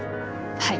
はい。